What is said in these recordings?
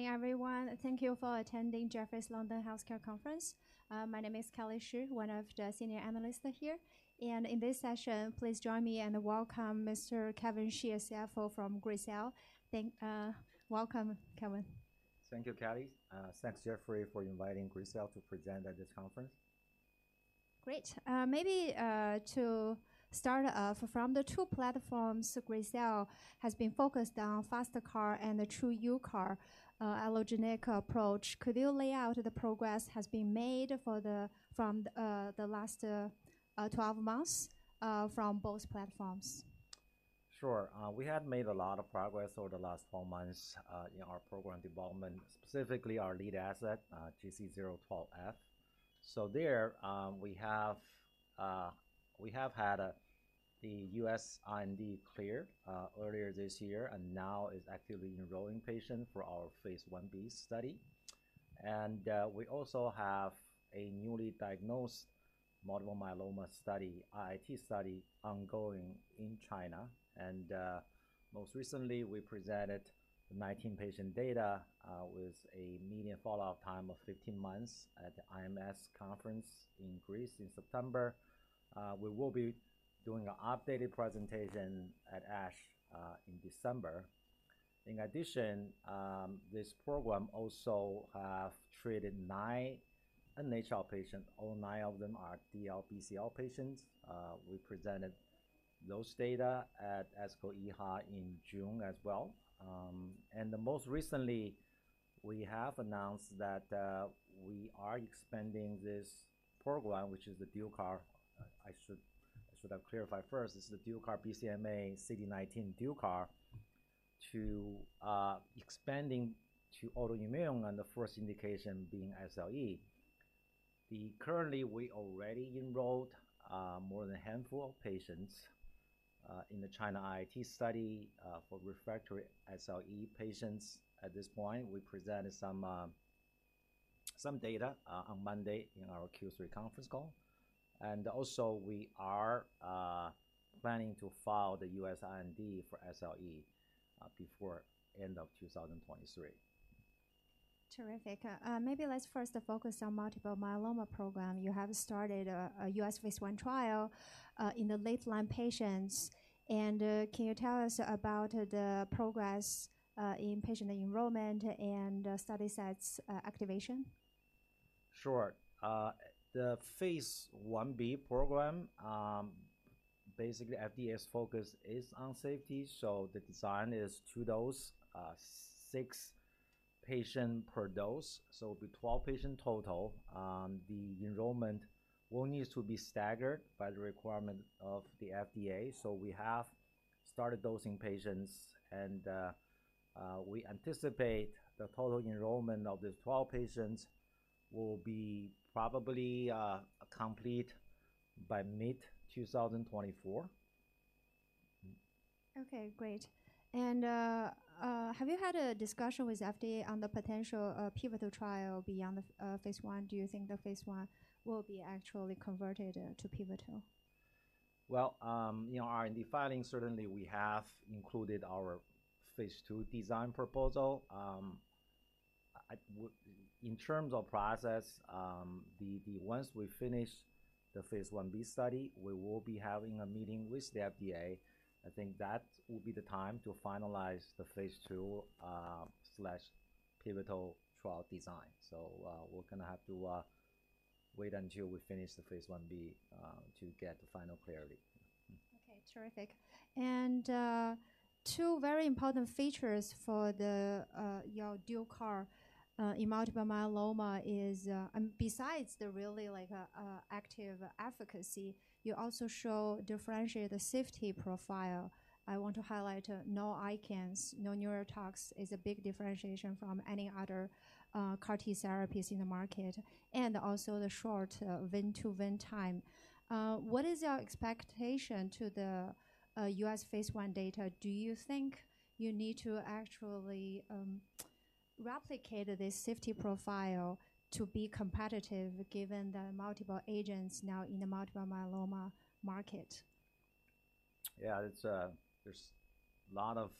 Good morning, everyone. Thank you for attending Jefferies London Healthcare Conference. My name is Kelly Shi, one of the senior analysts here. In this session, please join me and welcome Mr. Kevin Xie, CFO from Gracell Biotechnologies. Welcome, Kevin. Thank you, Kelly. Thanks, Jeffrey, for inviting Gracell to present at this conference. Great. Maybe to start off from the two platforms, Gracell has been focused on FasTCAR and the TruUCAR, allogeneic approach. Could you lay out the progress has been made from the last 12 months from both platforms? Sure. We have made a lot of progress over the last four months in our program development, specifically our lead asset, GC012F. We have had the U.S. IND cleared earlier this year, and now is actively enrolling patients for our phase Ib study. We also have a newly diagnosed multiple myeloma study, IIT study, ongoing in China. Most recently, we presented the 19 patient data with a median follow-up time of 15 months at the IMS conference in Greece in September. We will be doing an updated presentation at ASH in December. In addition, this program also have treated 9 NHL patients. All 9 of them are DLBCL patients. We presented those data at ASCO EHA in June as well. And, most recently, we have announced that we are expanding this program, which is the dual CAR. I should have clarified first, this is the dual CAR BCMA CD19 dual CAR, expanding to autoimmune and the first indication being SLE. Currently, we already enrolled more than a handful of patients in the China IIT study for refractory SLE patients. At this point, we presented some data on Monday in our Q3 conference call. And also, we are planning to file the U.S. IND for SLE before end of 2023. Terrific. Maybe let's first focus on multiple myeloma program. You have started a U.S. phase I trial in the late-line patients. Can you tell us about the progress in patient enrollment and study sites activation? Sure. The phase I b program, basically FDA's focus is on safety, so the design is two dose, six patient per dose, so it'll be 12 patient total. The enrollment will need to be staggered by the requirement of the FDA. So we have started dosing patients, and, we anticipate the total enrollment of these 12 patients will be probably, complete by mid-2024. Okay, great. And have you had a discussion with FDA on the potential pivotal trial beyond the phase I? Do you think the phase I will be actually converted to pivotal? Well, you know, in the filing, certainly we have included our phase II design proposal. In terms of process, once we finish the phase I b study, we will be having a meeting with the FDA. I think that will be the time to finalize the phase II slash pivotal trial design. So, we're going to have to wait until we finish the phase I b to get the final clarity. Okay, terrific. And, two very important features for the, your dual CAR, in multiple myeloma is... And besides the really, like, active efficacy, you also show differentiate the safety profile. I want to highlight no ICANS, no neurotoxicity, is a big differentiation from any other, CAR-T therapies in the market, and also the short, vein-to-vein time. What is your expectation to the, U.S. phase I data? Do you think you need to actually, replicate this safety profile to be competitive, given the multiple agents now in the multiple myeloma market? Yeah, it's. There's a lot of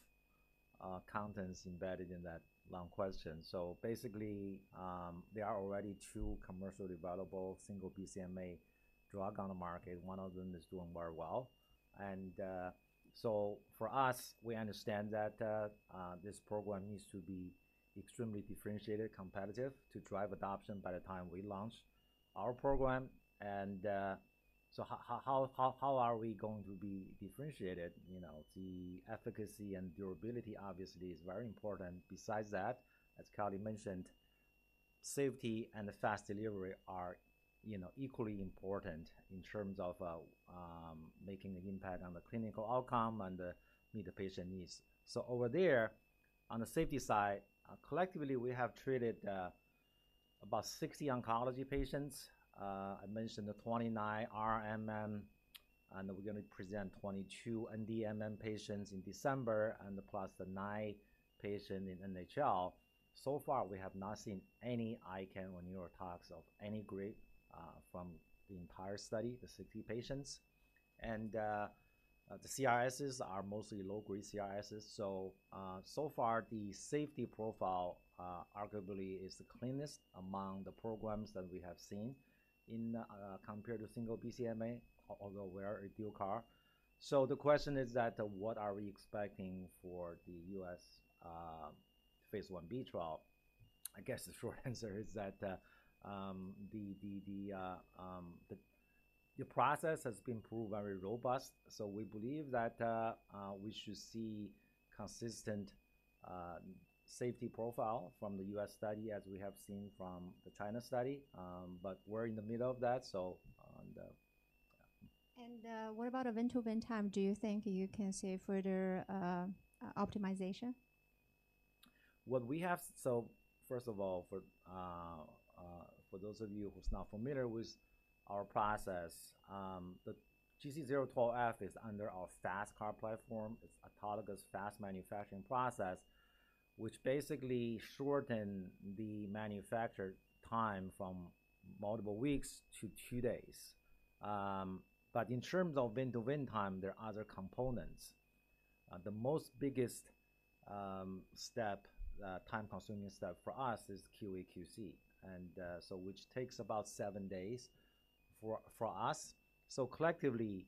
contents embedded in that long question. So basically, there are already two commercially available single BCMA drug on the market. One of them is doing very well. So for us, we understand that this program needs to be extremely differentiated, competitive to drive adoption by the time we launch our program. So how are we going to be differentiated? You know, the efficacy and durability obviously is very important. Besides that, as Kelly mentioned, safety and fast delivery are, you know, equally important in terms of making an impact on the clinical outcome and meet the patient needs. So over there, on the safety side, collectively, we have treated about 60 oncology patients. I mentioned the 29 r/r MM-... and we're gonna present 22 NDMM patients in December, and plus the 9 patients in NHL. So far, we have not seen any ICANS or neurotoxicity of any grade from the entire study, the 60 patients. The CRSs are mostly low-grade CRSs. So far, the safety profile arguably is the cleanest among the programs that we have seen in compared to single BCMA, although we're a dual CAR. So the question is that, what are we expecting for the U.S. phase I b trial? I guess the short answer is that the process has been proved very robust. So we believe that we should see consistent safety profile from the U.S. study as we have seen from the China study. But we're in the middle of that, so on the- What about a vein-to-vein time, do you think you can see further optimization? What we have. So first of all, for those of you who's not familiar with our process, the GC012F is under our FasTCAR platform. It's autologous FasTCAR manufacturing process, which basically shorten the manufacture time from multiple weeks to two days. But in terms of vein-to-vein time, there are other components. The most biggest time-consuming step for us is QA/QC, and so which takes about seven days for us. So collectively,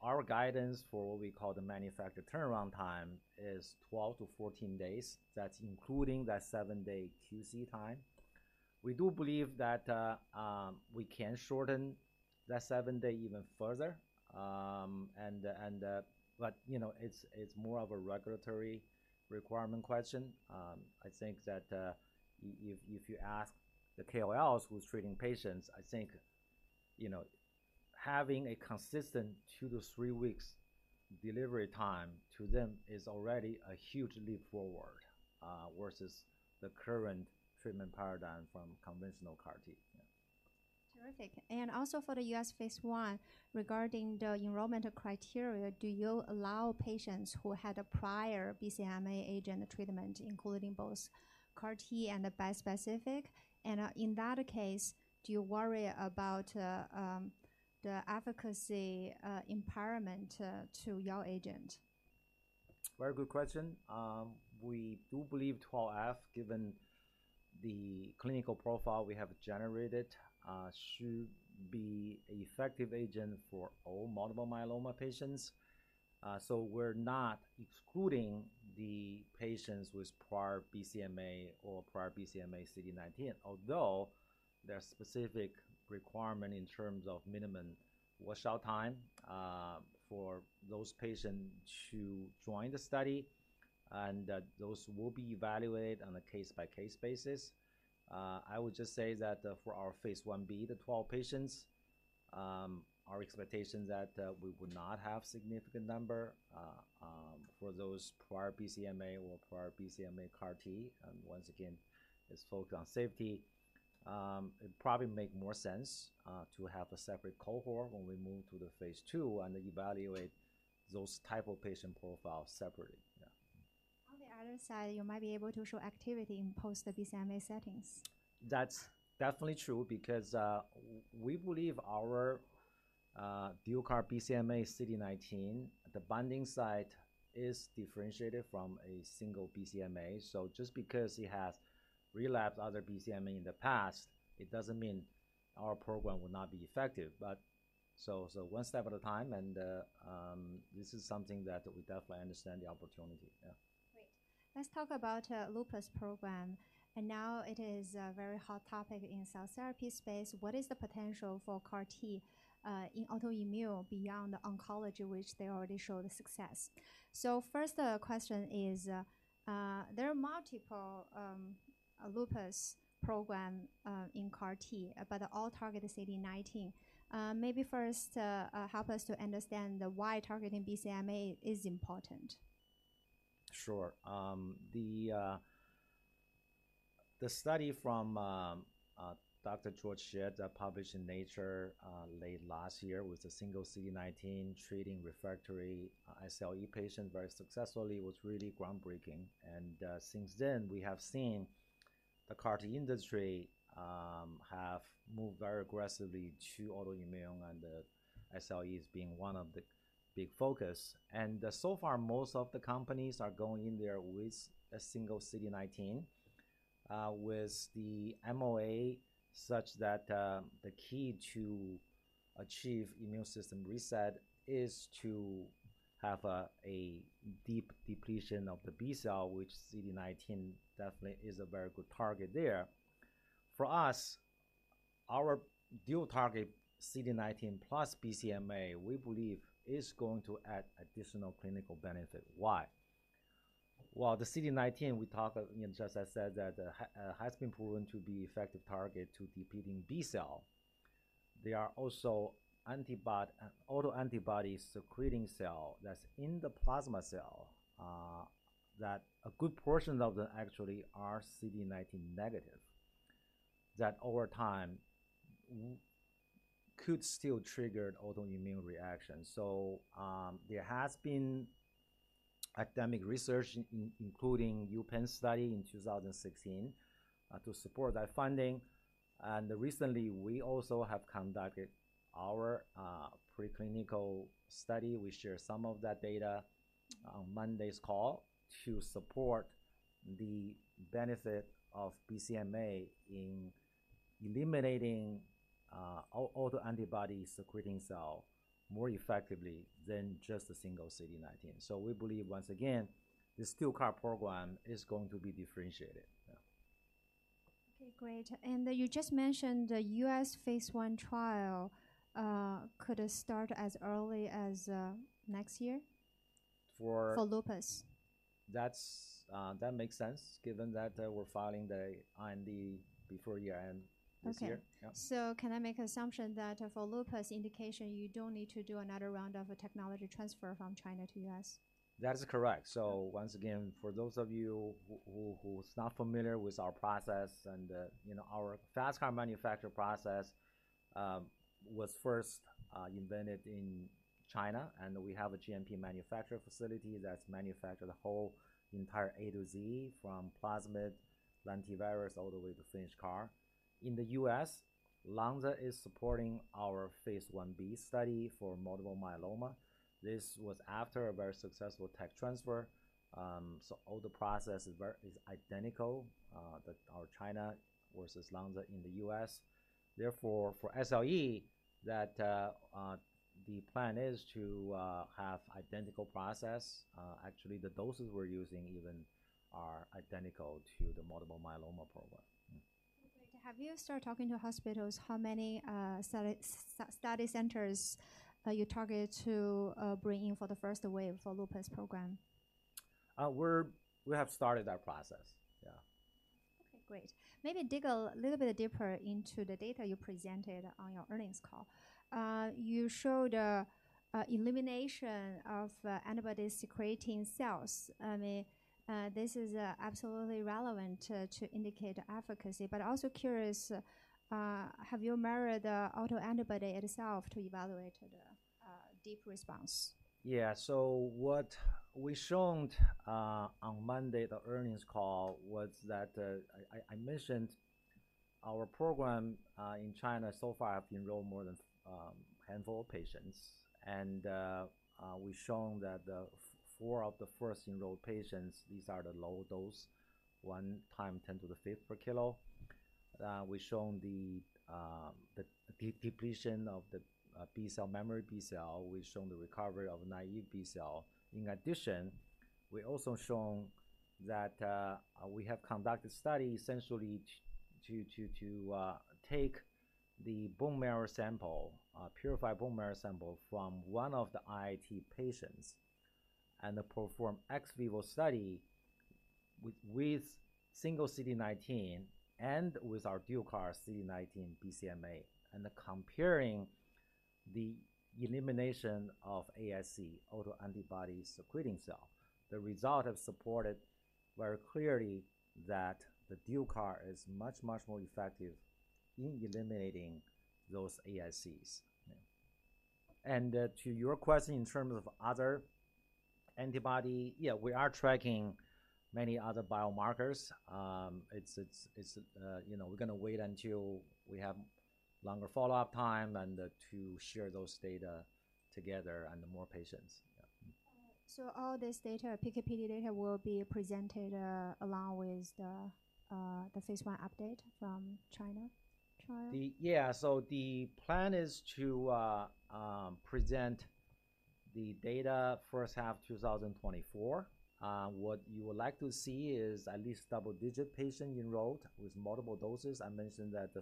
our guidance for what we call the manufacture turnaround time is 12-14 days. That's including that seven-day QC time. We do believe that we can shorten that seven-day even further. But you know, it's more of a regulatory requirement question. I think that if you ask the KOLs who's treating patients, I think, you know, having a consistent two to three weeks delivery time to them is already a huge leap forward versus the current treatment paradigm from conventional CAR T. Yeah. Terrific. And also for the U.S. phase I, regarding the enrollment criteria, do you allow patients who had a prior BCMA agent treatment, including both CAR T and the bispecific? And, in that case, do you worry about the efficacy impairment to your agent? Very good question. We do believe GC012F, given the clinical profile we have generated, should be an effective agent for all multiple myeloma patients. So we're not excluding the patients with prior BCMA or prior BCMA CD19. Although, there are specific requirement in terms of minimum wash-out time, for those patients to join the study, and that those will be evaluated on a case-by-case basis. I would just say that, for our phase I b, the 12 patients, our expectation is that, we would not have significant number, for those prior BCMA or prior BCMA CAR-T. And once again, it's focused on safety. It probably make more sense, to have a separate cohort when we move to the phase II and evaluate those type of patient profiles separately. Yeah. On the other side, you might be able to show activity in post the BCMA settings. That's definitely true because we believe our dual CAR BCMA CD19, the binding site is differentiated from a single BCMA. So just because it has relapsed other BCMA in the past, it doesn't mean our program will not be effective. But so, so one step at a time, and this is something that we definitely understand the opportunity. Yeah. Great. Let's talk about lupus program, and now it is a very hot topic in cell therapy space. What is the potential for CAR T in autoimmune beyond the oncology, which they already showed success? So first question is, there are multiple lupus program in CAR T, but they all target the CD19. Maybe first, help us to understand why targeting BCMA is important. Sure. The study from Dr. Georg Schett that published in Nature late last year, with the single CD19 treating refractory SLE patient very successfully, was really groundbreaking. And since then, we have seen the CAR T industry have moved very aggressively to autoimmune, and the SLE is being one of the big focus. And so far, most of the companies are going in there with a single CD19 with the MOA, such that the key to achieve immune system reset is to have a deep depletion of the B cell, which CD19 definitely is a very good target there. For us, our dual target, CD19 plus BCMA, we believe is going to add additional clinical benefit. Why? While the CD19 we talked, you know, just I said, that, has been proven to be effective target to depleting B cell. They are also autoantibody secreting cell that's in the plasma cell, that a good portion of them actually are CD19 negative.... that over time, could still trigger an autoimmune reaction. So, there has been academic research including UPenn study in 2016, to support that finding. And recently, we also have conducted our, preclinical study. We share some of that data on Monday's call to support the benefit of BCMA in eliminating, autoantibody secreting cell more effectively than just a single CD19. So we believe, once again, the Dual CAR program is going to be differentiated. Yeah. Okay, great. You just mentioned the U.S. phase 1 trial could start as early as next year? For- For lupus. That's, that makes sense given that, we're filing the IND before year end- Okay. this year. Yeah. Can I make assumption that for lupus indication, you don't need to do another round of technology transfer from China to U.S.? That is correct. So once again, for those of you who's not familiar with our process and, you know, our FasTCAR manufacture process, was first invented in China, and we have a GMP manufacturing facility that manufacture the whole entire A to Z, from plasmid, lentivirus, all the way to finished CAR. In the U.S., Lonza is supporting our phase Ib study for multiple myeloma. This was after a very successful tech transfer. So all the process is identical, our China versus Lonza in the U.S. Therefore, for SLE, the plan is to have identical process. Actually, the doses we're using even are identical to the multiple myeloma program. Mm-hmm. Have you started talking to hospitals? How many study centers are you targeted to bring in for the first wave for lupus program? We have started that process. Yeah. Okay, great. Maybe dig a little bit deeper into the data you presented on your earnings call. You showed elimination of antibody secreting cells. I mean, this is absolutely relevant to indicate efficacy. But also curious, have you measured the autoantibody itself to evaluate deep response? Yeah. So what we shown on Monday, the earnings call, was that I mentioned our program in China so far have enrolled more than handful of patients. And we've shown that the four of the first enrolled patients, these are the low dose, 1 × 10^5 per kilo. We've shown the depletion of the B cell, memory B cell. We've shown the recovery of naive B cell. In addition, we also shown that we have conducted study essentially to take the bone marrow sample, purify bone marrow sample from one of the IIT patients and perform ex vivo study with single CD19 and with our dual CAR CD19 BCMA, and comparing the elimination of ASC, autoantibody secreting cell. The result have supported very clearly that the dual CAR is much, much more effective in eliminating those ASCs. Yeah. And to your question, in terms of other antibody, yeah, we are tracking many other biomarkers. It's you know, we're going to wait until we have longer follow-up time and to share those data together and more patients. Yeah. So all this data, PK/PD data, will be presented, along with the phase 1 update from China trial? Yeah. So the plan is to present the data first half 2024. What you would like to see is at least double-digit patients enrolled with multiple doses. I mentioned that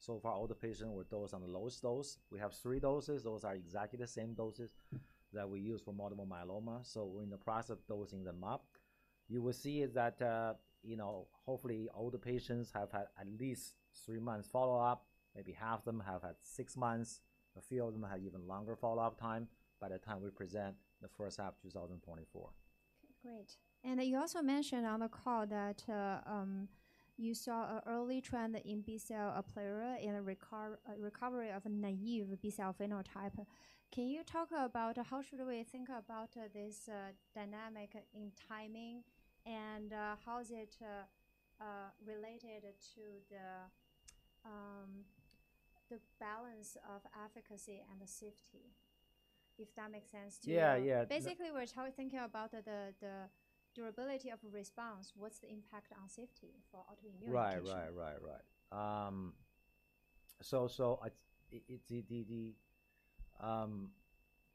so far, all the patients were dosed on the lowest dose. We have three doses. Those are exactly the same doses that we use for multiple myeloma, so we're in the process of dosing them up. You will see that, you know, hopefully, all the patients have had at least three months follow-up, maybe half of them have had six months, a few of them have even longer follow-up time by the time we present the first half of 2024. Great. And you also mentioned on the call that, you saw an early trend in B-cell aplasia in a recovery of naive B-cell phenotype. Can you talk about how we should think about this dynamic in timing, and how is it related to the balance of efficacy and the safety? If that makes sense to you. Yeah. Yeah. Basically, we're thinking about the durability of response. What's the impact on safety for autoimmune patient? Right, right, right, right.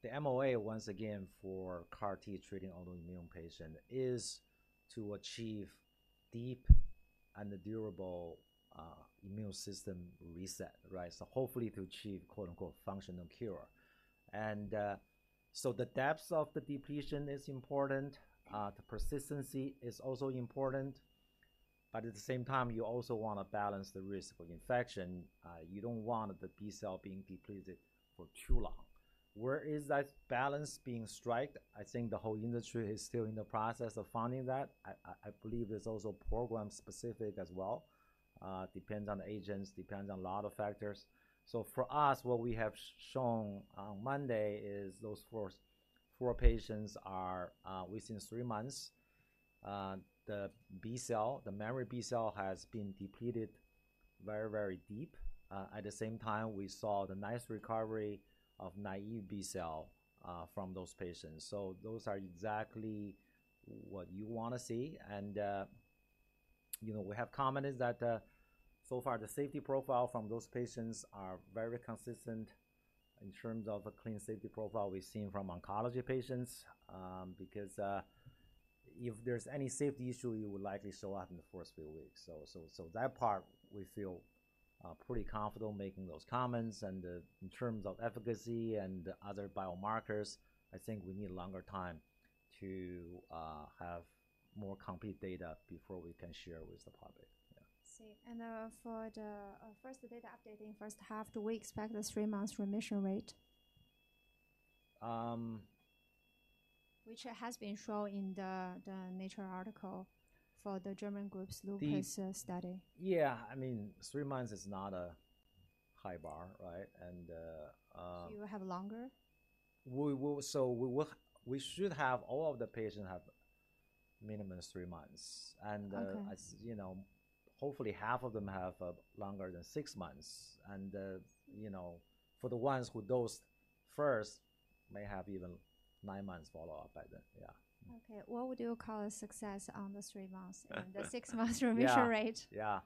The MOA, once again, for CAR T treating autoimmune patient, is to achieve deep and durable immune system reset, right? So hopefully to achieve, quote, unquote, "functional cure." And so the depth of the depletion is important, the persistency is also important, but at the same time, you also want to balance the risk of infection. You don't want the B cell being depleted for too long.... Where is that balance being struck? I think the whole industry is still in the process of finding that. I believe it's also program-specific as well. Depends on the agents, depends on a lot of factors. So for us, what we have shown on Monday is those four patients are within three months the B cell, the memory B cell has been depleted very, very deep. At the same time, we saw the nice recovery of naive B cell from those patients. So those are exactly what you want to see. And you know, we have commented that so far the safety profile from those patients are very consistent in terms of a clean safety profile we've seen from oncology patients. Because if there's any safety issue, you would likely show up in the first few weeks. So that part we feel pretty confident making those comments. In terms of efficacy and other biomarkers, I think we need longer time to have more complete data before we can share with the public. Yeah. See, for the first data update in first half, do we expect the three-month remission rate? Um- Which has been shown in the Nature article for the German group's lupus- The- - study. Yeah, I mean, three months is not a high bar, right? And, You have longer? So we should have all of the patients have minimum three months. Okay. And, as you know, hopefully, half of them have longer than 6 months. And, you know, for the ones who dosed first, may have even nine months follow-up by then. Yeah. Okay. What would you call a success on the three months and the six months remission rate? Yeah.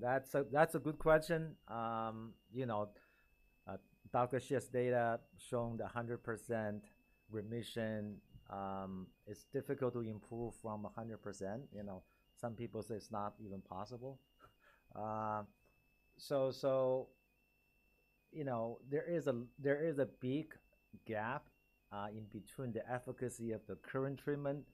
That's a good question. You know, Dr. Schett's data showing the 100% remission, it's difficult to improve from a 100%. You know, some people say it's not even possible. So, you know, there is a big gap in between the efficacy of the current treatment.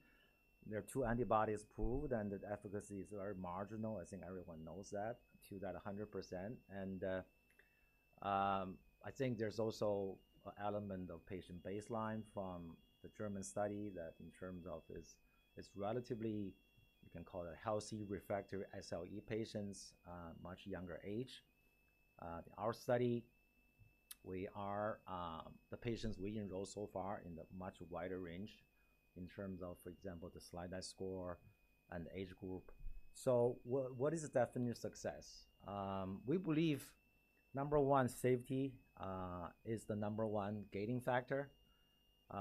There are two antibodies approved, and the efficacy is very marginal. I think everyone knows that, to that 100%. And, I think there's also an element of patient baseline from the German study that in terms of it's, it's relatively, you can call it, a healthy refractory SLE patients, much younger age. Our study, we are the patients we enroll so far in the much wider range in terms of, for example, the SLEDAI score and age group. So what is the definition of success? We believe, number one, safety is the number one gating factor.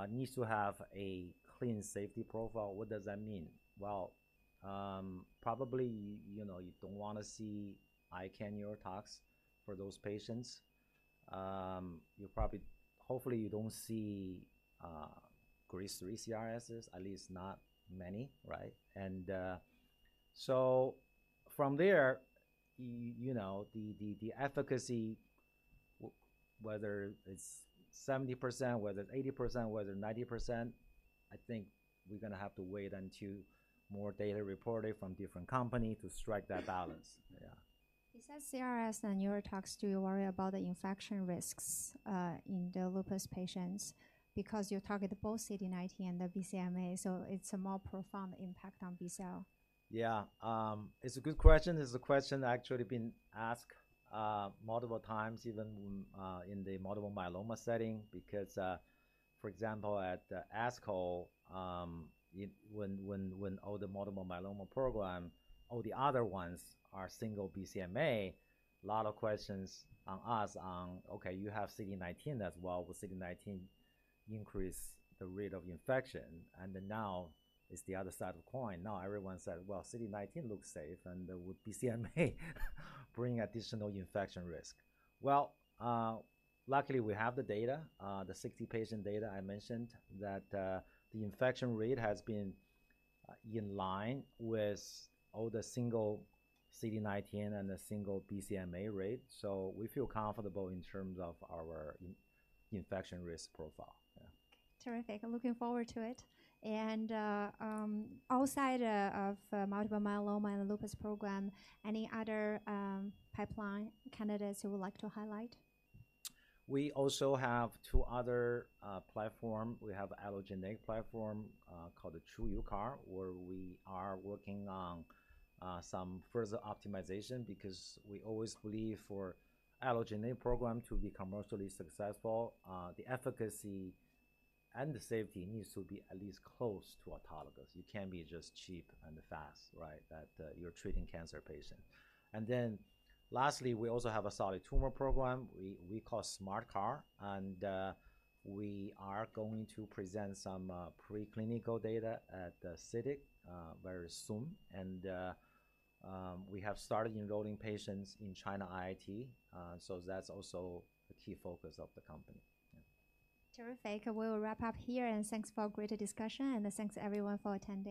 Needs to have a clean safety profile. What does that mean? Well, probably, you know, you don't want to see ICANS neurotoxicity for those patients. You probably, hopefully, you don't see grade 3 CRSs, at least not many, right? So from there, you know, the efficacy, whether it's 70%, whether it's 80%, whether 90%, I think we're going to have to wait until more data reported from different company to strike that balance. Yeah. Besides CRS and neurotoxicity, do you worry about the infection risks in the lupus patients? Because you target both CD19 and the BCMA, so it's a more profound impact on B cell. Yeah. It's a good question. It's a question that actually been asked, multiple times, even, in the multiple myeloma setting, because, for example, at the ASCO, when all the multiple myeloma program, all the other ones are single BCMA, a lot of questions on us, "Okay, you have CD19 as well. Will CD19 increase the rate of infection?" And then now it's the other side of the coin. Now, everyone said: "Well, CD19 looks safe, and would BCMA bring additional infection risk?" Well, luckily, we have the data. The 60-patient data I mentioned, that, the infection rate has been, in line with all the single CD19 and the single BCMA rate. So we feel comfortable in terms of our infection risk profile. Yeah. Terrific. I'm looking forward to it. And, outside of multiple myeloma and lupus program, any other pipeline candidates you would like to highlight? We also have two other platform. We have allogeneic platform called the TruUCAR, where we are working on some further optimization because we always believe for allogeneic program to be commercially successful, the efficacy and the safety needs to be at least close to autologous. You can't be just cheap and fast, right? That you're treating cancer patient. And then lastly, we also have a solid tumor program, we call SmartCAR, and we are going to present some preclinical data at the SITC very soon. And we have started enrolling patients in China IIT, so that's also a key focus of the company. Yeah. Terrific. We'll wrap up here, and thanks for a great discussion, and thanks everyone for attending.